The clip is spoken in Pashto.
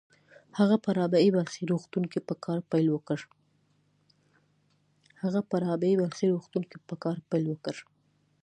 هغې په رابعه بلخي روغتون کې په کار پيل وکړ.